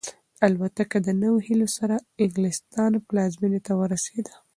الوتکه د نویو هیلو سره د انګلستان پلازمینې ته ورسېده.